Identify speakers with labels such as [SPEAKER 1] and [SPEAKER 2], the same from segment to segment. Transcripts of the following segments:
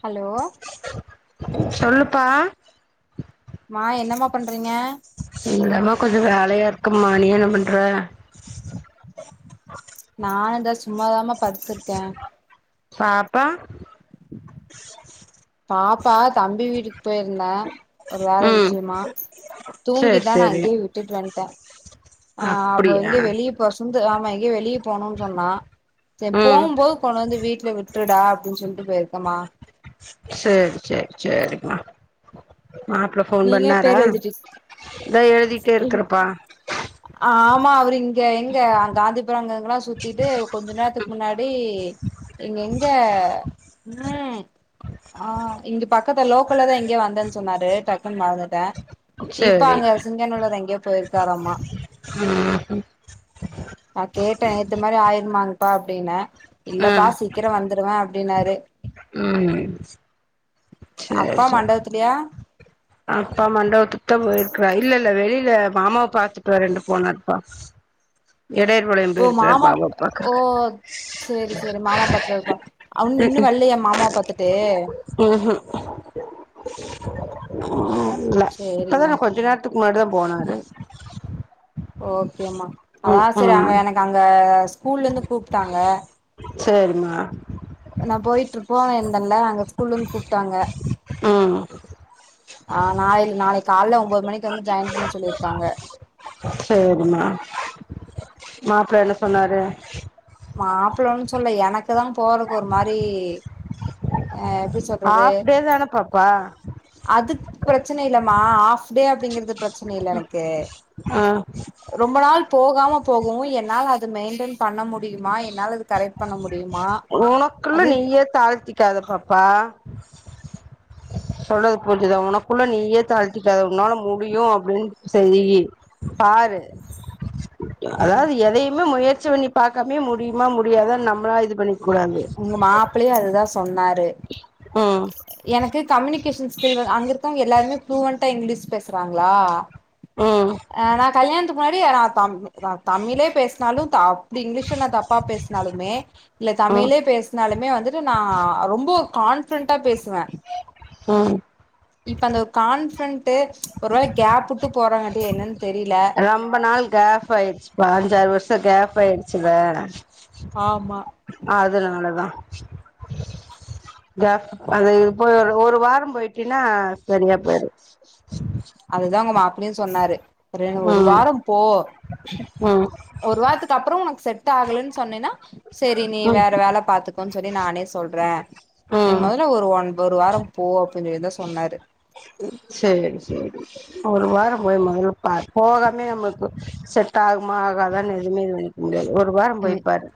[SPEAKER 1] Hello
[SPEAKER 2] சொல்லுப்பா
[SPEAKER 1] மா என்னம்மா பண்றீங்க
[SPEAKER 2] இது வேலையா இருக்கம்மா நீ என்ன பண்ற
[SPEAKER 1] நானு இதா சும்மாதாமா படுத்துருக்கே
[SPEAKER 2] பாப்பா
[SPEAKER 1] பாப்பா தம்பி வீட்டுக் போயிருந்தே ஒரு வேல
[SPEAKER 2] ம்
[SPEAKER 1] விஷயமா
[SPEAKER 2] சேரி
[SPEAKER 1] தூங்கிட்டா நா
[SPEAKER 2] சேரி
[SPEAKER 1] அங்கேயே விட்டுட்டு வந்துட்ட ஆ அப்போ
[SPEAKER 2] அப்டியா
[SPEAKER 1] இங்க வெளியே போசன்ன ஆமா எங்கயோ வெளியப் போகணுனு சொன்னா சேரி
[SPEAKER 2] ம்
[SPEAKER 1] போகும்போது கொண்டு வந்து வீட்டுல விட்டுடா அப்படின்னு சொல்லிட்டு போயிரு க்கம்மா
[SPEAKER 2] சேரி சேரி சேரிம்மா மாப்பிள போன்
[SPEAKER 1] நீங்க
[SPEAKER 2] பண்ணாரா
[SPEAKER 1] பேர் எழுதிட்டு
[SPEAKER 2] த எழு திக்கிடே இருக்குறப்பா
[SPEAKER 1] ஆமா அவரு இங்க எங்க காந்திபுரம் அங்கங்கல்லாம் சுத்திட்டு கொஞ்ச நேரத்துக்கு முன்னாடி இங்க எங்க ம் ஆ இங்க பக்கத்து லோக்கல்ல தா எங்கயே வந்தேன்னு சொன்னாரு டக்குன்னு மறந்துட்ட இப்ப
[SPEAKER 2] சேரி
[SPEAKER 1] அங்க சிங்கனூல தா எங்கேயோ போயிருக்காரம்மா
[SPEAKER 2] ம்
[SPEAKER 1] நா கேட்டேன் ஏத்த மாதிரி ஆயிருமாங்க அப்டிடன இல்லப்பா
[SPEAKER 2] ம்
[SPEAKER 1] சீக்கிரம் வந்துருவேன் அப்படினாரு
[SPEAKER 2] ம் சேரி
[SPEAKER 1] அப்பா
[SPEAKER 2] சேரி
[SPEAKER 1] மண்டபத்துலயா
[SPEAKER 2] அப்பா மண்டாவ தத்தா போயிருக்கறா இல்ல இல்ல வெளியில மாமாவ பாத்துட்டு வரேன்ண்டு போனாருப்பா இடைய புழைய
[SPEAKER 1] ஓ
[SPEAKER 2] போஇருக்கிறார்
[SPEAKER 1] மாமா
[SPEAKER 2] பாபா
[SPEAKER 1] ஓ
[SPEAKER 2] பாக்குறக்க
[SPEAKER 1] சேரி சேரி மாமா பாத்துட்டு இருப்பா அவனு நின்னு வல்லையா மாமாவ பாத்துட்டு
[SPEAKER 2] உம் உம் உம் [inaudible] ஆ இல்ல
[SPEAKER 1] சேரிம்மா
[SPEAKER 2] இப்பதான கொஞ்ச நேரத்துக்கு முன்னாடி தான் போனாரு
[SPEAKER 1] ஓகேம்மா
[SPEAKER 2] ம்
[SPEAKER 1] அதான் சேரி அங்க
[SPEAKER 2] ம்
[SPEAKER 1] எனக்கு அங்க ஸ்கூல்ல இருந்து கூப்பிட்டாங்க
[SPEAKER 2] சேரிமா
[SPEAKER 1] நா போயிட்டு இருப்போன் இந்தன்ல அங்க ஸ்கூல்ல இருந்து கூப்பிட்டாங்க
[SPEAKER 2] ம்
[SPEAKER 1] ஆஹ் நாளை நாளை காலல ஒன்பது மணிக்கு வந்து ஜாயின் பண்ண சொல்லியிருக்காங்க
[SPEAKER 2] மாப்பிள்ள என்ன சொன்னாரு [inaudible]
[SPEAKER 1] மாப்பிளம்ன்னனு சொல்ல எனக்கு தா போறக்கு ஒரு மாதிரி எப்படி சொல்றது
[SPEAKER 2] ஆஃப் டே தான பாப்பா
[SPEAKER 1] அதுக்கு பிரச்சனை இல்ல மா ஹாஃப் டே அப்படிங்கிறது பிரச்சனை இல் எனக்கு
[SPEAKER 2] ஆ
[SPEAKER 1] ரொம்ப நாள் போகாம போகும் என்னால் அது மெயின்டென் பண்ண மு
[SPEAKER 2] உனக்குள்ள
[SPEAKER 1] அப்டின்
[SPEAKER 2] நீயே தாழ்த்திக்காத பாப்பா [inaudible] சொல்றது புரிஞ்சுதா உனக்குள்ள நீயே தழ்த்திக்காத உன்னாலும் முடியு அப்பிடின்னு செய்யி பாரு
[SPEAKER 1] ம்
[SPEAKER 2] அதாவ்து எதையுமே முயற் ற்சி பண்ணி பாக்காம்யே முடியுமா முடியாத நம்மளா இது பண்ணி
[SPEAKER 1] உங்க மாப்பிள்ளேயு அதுதா சொ ன்னார்
[SPEAKER 2] ம்
[SPEAKER 1] எனக்கு கம்யூனிகேஷன் ஸ்கில் அங்க இருக்கவ்ங்க எல்லாருமே ஃபூலுவென்டா இங்கிலீஷ் பேச்றாங்களா
[SPEAKER 2] ம்
[SPEAKER 1] ஆஹ் நா கல்யாண க்கு முன்னாடி ஏ தா தமிழே பேசுனாலு த அப்பிடி இங்கிலீஷ் நா தப்பா பேசுனாலுமே இல்ல
[SPEAKER 2] ம்
[SPEAKER 1] தமிழே பேசுனாலுமே வந்துட்டு நா ரொம்போ கான்பிடன்டா பேசுவே
[SPEAKER 2] ம்
[SPEAKER 1] இப்ப அந்த ஒரு கான்பிடன்ட்டு ஒருவேல கேப் விட்டு போறாங்காட்டியா என்னன் தெரியில.
[SPEAKER 2] ரொம்ப நாள் கேப் ஆயிடுச்சுப்பா அஞ்சாறு வருஷோ கேப் ஆயிடுச்சுல்ல.
[SPEAKER 1] ஆமா
[SPEAKER 2] அது நால தா தா அது போய் ஓ ஒரு வாரோ போயிட்டீன்னா செரியா போயிடு.
[SPEAKER 1] அப்டின் சொன்னாரு. க்றே ஒரு
[SPEAKER 2] ம்
[SPEAKER 1] வாரோ போ.
[SPEAKER 2] ம்
[SPEAKER 1] ஒரு வார்த்துக்கு அப்போறோ உனக்கு செட் செட் ஆகலன்னு சொன்னென்னா செரி நீ
[SPEAKER 2] ம்
[SPEAKER 1] வேற வேல பாத்துக்கோன் சொல்லி நானே சொல்ற நீ
[SPEAKER 2] ம்
[SPEAKER 1] மொதல்ல ஒரு ஒன்பொ ஒரு வாரோ போ அப்டின்னு தா சொ சொன்னாரு
[SPEAKER 2] செரி செரி ஒரு வாரோ போய் மொதல்ல பாரு போகாமே நம்மளுக்கு செட் ஆகுமா ஆகாதான்னு எதுமே இது நெனக்க முடியாது‌. ஒரு வாரோ
[SPEAKER 1] ம்
[SPEAKER 2] போய்ப்பாரு.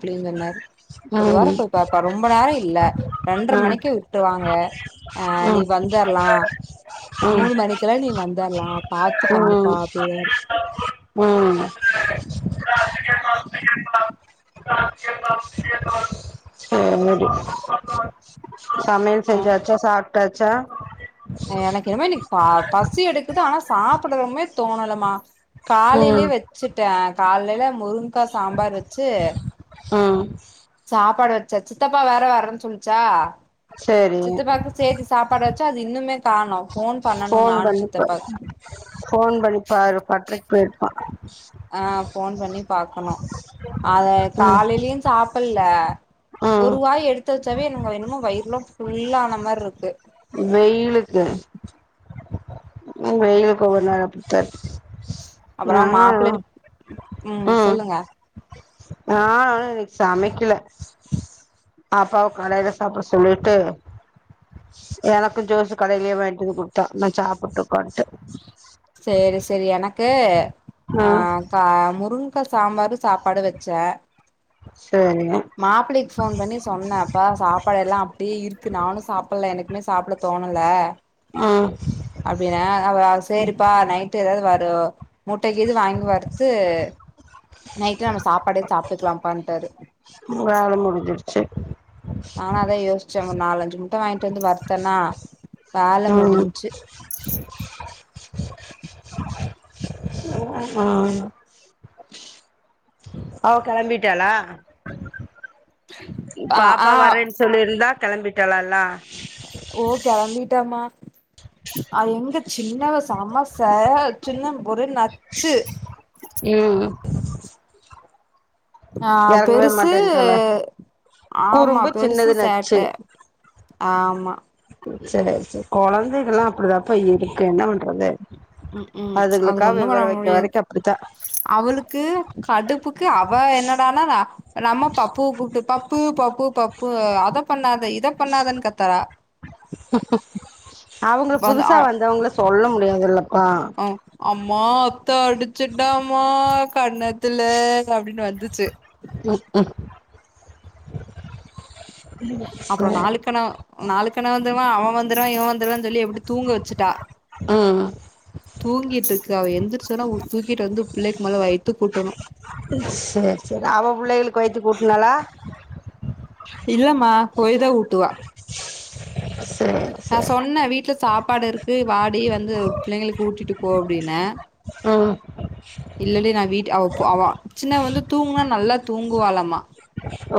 [SPEAKER 1] அப்பிடின் சொன்னாரு ஒரு வாரோ போய் பார்ப்பா ரொம்ப நேரோ இல்ல ரெண்ட்ர
[SPEAKER 2] ம்
[SPEAKER 1] மணிக்கு விட்ருவாங்க அ நீ
[SPEAKER 2] ம்
[SPEAKER 1] வந்தரலா.
[SPEAKER 2] ம்
[SPEAKER 1] மூணு மணிக்கெல்லா நீ வந்தர்லா பாத்து பண்ணுப்பா அப்பிடின்னாரு
[SPEAKER 2] ம் ம் ஆ ஓகே சமயல்
[SPEAKER 1] ஆ
[SPEAKER 2] செஞ்ச்சாச்சா சாப் டாச்சா
[SPEAKER 1] எனக்கு என்னமோ இன்னிக்கு ப பசி எடுக்குது ஆனா சாப்டவுமே தோணல மா
[SPEAKER 2] ம்
[SPEAKER 1] காலேல்யே வெச்சுட்டே. காலைல முருங் க்கா சாம்பார் வெச்சு
[SPEAKER 2] ஆஹ்
[SPEAKER 1] சாப்பாடு வச்ச சித்தப்பா வேற வரன்னு சொன்னுச்சா
[SPEAKER 2] சேரி
[SPEAKER 1] சித்தப்பாக்கு சேத்தி சாப்பாடு வச்சா அது இன்னுமே காணோ ஃபோன் பண்ணணு
[SPEAKER 2] ஃபோன்
[SPEAKER 1] நானு
[SPEAKER 2] பண்ணிப்ப
[SPEAKER 1] சித்தப்பாக்கு
[SPEAKER 2] ஃபோன் பண்ணிப்பாரு பட்டரைக்கு போயிருப்பா
[SPEAKER 1] ஆ ஃபோன் பண்ணி பாக்கணு
[SPEAKER 2] உம்
[SPEAKER 1] ல்ல ஒருவாய் எடுத்த வச்சாவே என்னு ஆ என்னமோ வயிற்லா ஃபுல்லான மார்ருக்கு
[SPEAKER 2] வெய்யிலுக்கு உம் வெய்யிலுக்கு ஒவ்வொரு நாள் அப்டிதா இருக்
[SPEAKER 1] அப்றோ மாப் [unintelligible] உம் சொல்லுங்க
[SPEAKER 2] ஆஹ் [unintelligible] சமைக்கல பாப்பாவா கடையில சாப்ட சொல்லிட்டு எனக்கு ஜோசு கடையிலயே வாங்கிட்டு வந்து குடுத்தா நா சாப்ட்டோ
[SPEAKER 1] சேரி சேரி எனக்கு
[SPEAKER 2] ம்
[SPEAKER 1] ஆஹ் கா முருங் க்க சாம்பாரு சாப்பாடு வெச்ச
[SPEAKER 2] சேரி
[SPEAKER 1] மாப்பிளைக்கு ஃபோன் பண்ணி சொன்ன அப்பா சாப்பாடெல்லா அப்டியே இருக்கு நானு சாப்ட்ல எனக்கு எதுமே சாப்ட தோணல
[SPEAKER 2] ஆஹ்
[SPEAKER 1] அப்டின்னா அவ சேரிப்பா நைட் ஏதாவது வருத் [inaudible] முட்ட கீது வாங்கி வறுத்து நைட்ல நம்ம சாப்பாடே சாப்ட்டுக்கிலாப்பாண்டாரு
[SPEAKER 2] வேல முடிஞ்சிருச்சு
[SPEAKER 1] நானு அதா யோச்சே ஒரு நாலஞ்சு முட்ட வாங்கிட்டு வந்து வருத்தன்னா வேல
[SPEAKER 2] ம்
[SPEAKER 1] முடிஞ்சு
[SPEAKER 2] ஆமா ஓக் கெளம்பிட்டாளா
[SPEAKER 1] ஆ
[SPEAKER 2] பாப்பா
[SPEAKER 1] ஆ
[SPEAKER 2] வரேன்னு சொல்லிருந்தா கெளம்பிட்டளால்லா
[SPEAKER 1] ஓ கெளம்பிட்டேம்மா அது எங்க சின்னவ செம சேட் சின்ன ஒரே நச்சு
[SPEAKER 2] உம்
[SPEAKER 1] ஆஹ் பெருசு
[SPEAKER 2] மாட்டேன்ட்டாளா
[SPEAKER 1] ஆமா
[SPEAKER 2] குறும்பு
[SPEAKER 1] பெருசு
[SPEAKER 2] சின்னது
[SPEAKER 1] சேட்ட ஆமா
[SPEAKER 2] சேரி செரி கொழந்தைகள்லா அப்டிதாப்பா இருக்கு என்ன பண்
[SPEAKER 1] உஹ்உம் அது ஒண்ணு பண்ண
[SPEAKER 2] விவர வைக்க
[SPEAKER 1] முடியாது
[SPEAKER 2] வரைக்கு அப்டித்தா
[SPEAKER 1] அவுளுக்கு கடுப்புக்கு அவ என்னடானா நம்ம பப்பு கூப்பிட்டு பப்பு பப்பு பப்பு அத பண்ணாத இ இத பண்ணாதன்னு கத்தரா
[SPEAKER 2] அவுங்கள புதுசா
[SPEAKER 1] அ
[SPEAKER 2] வந்தவுங்கள சொல்ல முடியாதுல்லப்பா
[SPEAKER 1] மா அத்த அடிச்சுட்டமா கன்னத்துல அப்டினு வந்துச்சு
[SPEAKER 2] ம் ம்
[SPEAKER 1] அப்பறோ நாலுக்கன நாலுக்கனவு வந்துமா அவே வந்துருவா இவ வந்துருவானு சொல்லி எப்டி தூங்க வச்சுட்டா
[SPEAKER 2] ம்
[SPEAKER 1] தூங்கிட்டு இருக்கு அவ எந்திரச்சோனவு தூக்கிட்டு வந்து பிள்ளைக்கு மொல வயித்துக் ஊட்டணு
[SPEAKER 2] செரி செரி அவ பிள்ளைகளுக்கு வயித்துக் ஊட்டுனாளா
[SPEAKER 1] இல்லம்மா போய்தா ஊட்டுவா
[SPEAKER 2] சரி
[SPEAKER 1] நா
[SPEAKER 2] சரி
[SPEAKER 1] சொன்னே வீட் வீட்ல சாப்பாடு இருக்கு வாடி வந்து பிள்ளைங்களுக்கு ஊட்டிட்டு போ அப்டினே
[SPEAKER 2] உம்
[SPEAKER 1] இல்லடி நா வீட்டு அவப்போ அவா சின்னவ வந்து தூங்குனா நல்லா தூங்குவாளாமா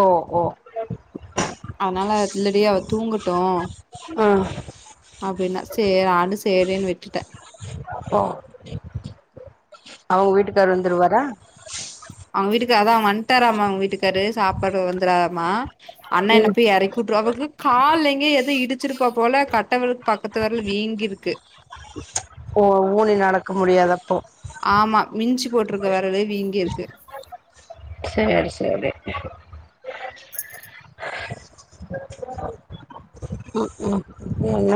[SPEAKER 2] ஓ ஓ
[SPEAKER 1] அதனால இல்லடி அவ தூங்கட்டு
[SPEAKER 2] உம்
[SPEAKER 1] அப்டினா சே நானு சேரேனு விட்டுட்டே
[SPEAKER 2] ஓ அவுங்க வீட்டுக்காரு வந்துருவாரா
[SPEAKER 1] அவுங்க வீட்டுக்கா அதா வந்ட்டாராமா அவுங்க வீட்டுக்காரு சாப்படு வந்துராரமா அண்ணா என்ன
[SPEAKER 2] ம்
[SPEAKER 1] போய் எறக்கிவுட்றுவாபு அவர்க்கு கால்ல எங்கயே எதோ இடிச் ச்சிருப்பா போல கட்டவெளுக்கு பக்கத்து வெரலு வீங்கிருக்கு
[SPEAKER 2] ஓ ஊனி நடக்க முடியாது அப்போ
[SPEAKER 1] ஆமா மிஞ்சு போட்டிருக்க வெரலு வீங்கீருக்கு
[SPEAKER 2] செரி செரி உம் உம் என்ன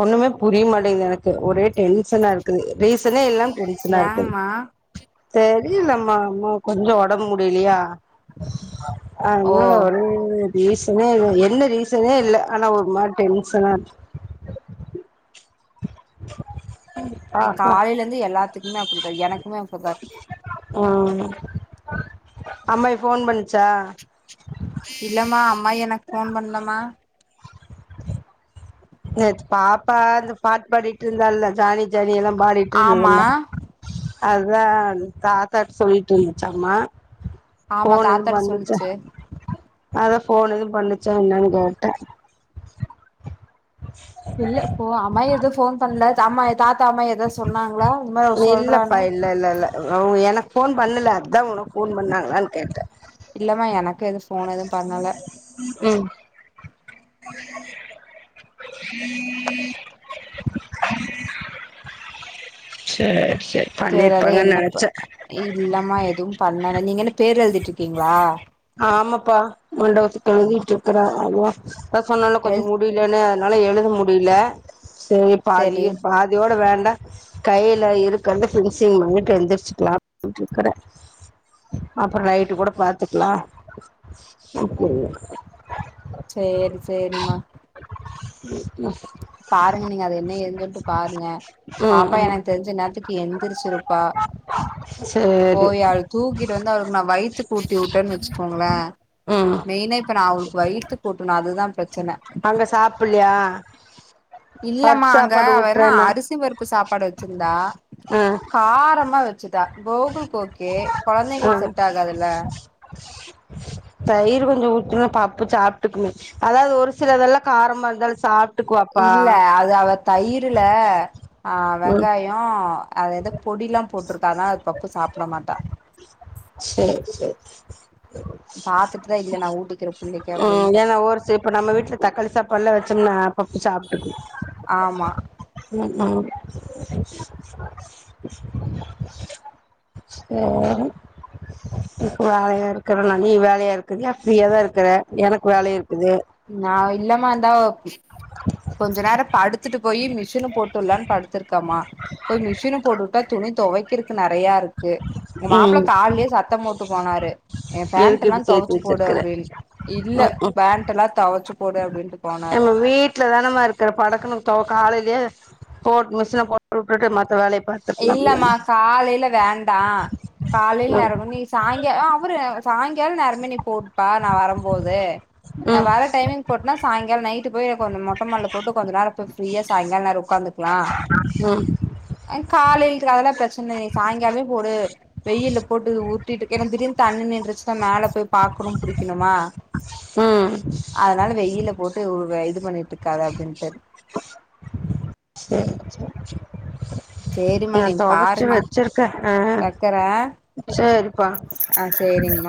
[SPEAKER 2] ஒண்ணுமே புரிய மாட்டேங்கது எனக்கு ஒரே டென்ஷனா இருக்குது ரீசனே இல்லாம்
[SPEAKER 1] ஏங்கமா
[SPEAKER 2] சேரி இல்லம்மா அம்மா கொஞ்சோ ஒடம்பு முடியிலீயா
[SPEAKER 1] ஓ
[SPEAKER 2] அதனால ஒரே ரீசனே இல் என்ன ரீசனே இல்ல ஆனா ஒரு மாரி டென்ஷனாருக்
[SPEAKER 1] நீ
[SPEAKER 2] பாக்லா
[SPEAKER 1] காலேல இருந்து எல்லாத்துக்குமே அப்டி தா எனக் குமே அப்டிதார்த்
[SPEAKER 2] அ அம்மா ஏ ஃபோன் பண் சா
[SPEAKER 1] மா எனக்கு போன் பண்ணலமா
[SPEAKER 2] நேத்து பாப்பா அந்து பாட்டு பாடிருந்தால்ல ஜானி
[SPEAKER 1] ஆமா
[SPEAKER 2] [unintelligible] அதுதான் தாத்தாிட்ட சொல்லிட்டு இருந்துச்சு ஆமா
[SPEAKER 1] ஆமா தாத்தாட்டு சொல்லுச்சு
[SPEAKER 2] அதான் போன் எதுவும் பண்ணிச்சா என்னன்னனு கேட்டேன்
[SPEAKER 1] இல்ல போ அம் எதவும் போன் பண்ணல [unintelligible] தாத்தா அம்மா எதது சொன்னாங்களா மாரி அவ
[SPEAKER 2] இல்லப்பா
[SPEAKER 1] சொல்றான்னு
[SPEAKER 2] இல்ல இல்ல இல்ல எனக்கு போன் பண்ணல அதான் உனக்கு போன் பண்ணாங்களான்னு கேட்டேன்
[SPEAKER 1] [unintelligible] போன எதுவும் பண்ணல
[SPEAKER 2] ம் [inaudible] [inaudible] [unintelligible]
[SPEAKER 1] ச்ற அ அத
[SPEAKER 2] பண்ணிருப்பாங்கன்னு
[SPEAKER 1] என்னப்ப
[SPEAKER 2] நெனச்சே
[SPEAKER 1] இல்லாம எதுவும் பண்ணல நீங்க என்ன பேர் எழுதி இருக்கீங்களா
[SPEAKER 2] ஆமாப்பா மண்டபத்துக்குழுங்கட்டு இருக்கறா அான் அதான் சொன்னேன் கொஞ்ச
[SPEAKER 1] எழு
[SPEAKER 2] முடியலன்னு என்னால எழுத முடியல சரி பாதி
[SPEAKER 1] சேரி
[SPEAKER 2] பாதியோட வேண்டாம் கையில இருக்றத ஃபினிசிங் பண்ணிட்டு எழுந்திரச்சுக்கலாம் அப்படிருக்கற அப்புறோ நைட்டு கூட பாத்துக்கலாம் [unintelligible]
[SPEAKER 1] ச்சேரி ச்சேரிம்மா
[SPEAKER 2] [unintelligible]
[SPEAKER 1] பாருங்க நீங்க அது ஏதுன்ட்டு பாருங்க
[SPEAKER 2] ம்
[SPEAKER 1] பாப்பா
[SPEAKER 2] ம்
[SPEAKER 1] எனக்கு தெரிஞ்ச நேத்துக்கு எந்திரிச்சுிருப்பா
[SPEAKER 2] சேரி
[SPEAKER 1] போய் அவள் தூக்கிட்டு வந்து அவளுக்கு நான் வயித்துக்கு உட்டி விட்டேன்னு வச்சுக்கோங்களேன்
[SPEAKER 2] ம்
[SPEAKER 1] மெயினா இப்ப நான் அவளுக்கு வயித்துக் கூட்டும் அதுதான் பிரச்சனை
[SPEAKER 2] அங்க சாப்பலையா
[SPEAKER 1] இல்லமா அங்கு அவ என்னா அரிசி பருப்பு சாப்பாடு வச்சிருந்தா
[SPEAKER 2] ஆ
[SPEAKER 1] காரமா வச்சிரு கோகுலுக்கு ஓகே
[SPEAKER 2] ஆ
[SPEAKER 1] குழந்தைங்களுக்கு செட் ஆகாதுல்ல
[SPEAKER 2] தயிர் கொஞ்சம் ஊட்டன்னா பப்பு சாப்பிட்டுக்குமே அதாவது ஒரு சில இதெல்லாம் காரமாக இருந்தாலும் சாப்பி
[SPEAKER 1] இல்ல அது அவ தய்ர்ல ஆஹ்
[SPEAKER 2] ம்
[SPEAKER 1] வெங்காயோ அது ஏதோ பொடில்லாம் போட்டிருக்க பானான் அது பப்பும் சாப்பிட மாட்ட நா ஊட்டிக்கிறே புள்ளைக்கு
[SPEAKER 2] உம்
[SPEAKER 1] அப்டின்ட்டே
[SPEAKER 2] ஏன்னா ஒரு இப்ப நம்ம வீட்டுல தக்காளி சாப்பாடுல்லாம் வச்சோம்னா அப்பப்பு சாப்பிட்டுக்கு
[SPEAKER 1] ஆமா
[SPEAKER 2] உம் உம் சேரி வேலையா இருக்கறே நா நீ வேலையா இருக்கயை ஃப்ரீய தா இருக்கற எனக்கு வேலையா இருக்கு
[SPEAKER 1] ந இல்லமா ந்தாவ் கொஞ்ச நேர படுத்துட்டு போய் மிஷின் போட்டுலான்னு படுத்துருக்காம்மா போய் மிஷின்போட்டுட்டா துணி துவைக்கிருக்கு நிறயே இருக்கு உங்க மாப்பிள்ள
[SPEAKER 2] ம்
[SPEAKER 1] காலலே சத்தம் போட்டு போனாரு ஏ
[SPEAKER 2] எதுக்கு
[SPEAKER 1] பேண்டல்லா
[SPEAKER 2] இப்டி சேத்து
[SPEAKER 1] தேவாச்சி போடு
[SPEAKER 2] வச்சிருக்கற
[SPEAKER 1] அப்படி இல்ல
[SPEAKER 2] ம் ம்
[SPEAKER 1] பேண் தவச்சு போடு அப்படின்னு
[SPEAKER 2] நம்ம வீடல தான நம்மா இருக்கற படக்குனு கால போ மிஷின போ விட்டுட்டு மத்த வேலைய பாத்துக்கலாம்ல
[SPEAKER 1] இல்லமா காலையில வேண்டா காலையில
[SPEAKER 2] ம்
[SPEAKER 1] நேரம நீ சாயங்கால ஆ அவுரு சாயங்கால நேரமே நீ போட்டுப்பா நா வரும்போது நா
[SPEAKER 2] ம்
[SPEAKER 1] வார டைமிங் போட்டனா சாயங்காலம் நைட்டு போய் என கொஞ்ச மொட்டைமல்ல போட்டு கெஞ்சா நேர ஃப்ரீயா சாயங்கால நேரம உக்காந்திகலா
[SPEAKER 2] உம்
[SPEAKER 1] காலையில இரு அதெல்லா பிரச்சனை நீ சாய்ங்காலமே போடு வெயில போட்டு ஊட்டிட்டுக்க ஏன்னா திடீனு தண்ணி நினன்றறுச்சுன்னா மேலே போய் பார்க்கணும் புடிக்கணுமா
[SPEAKER 2] உம்
[SPEAKER 1] அதனால வெயில்ல போட்டு இது பண்ணிட்டு இருக்காத அப்படின்ட்டு
[SPEAKER 2] என் தோபச்சு
[SPEAKER 1] பாருங்க
[SPEAKER 2] வச்சிருக்க ஆஹ
[SPEAKER 1] வைக்கறே
[SPEAKER 2] சரிப்பா
[SPEAKER 1] ஆ சேரிங்கம்மா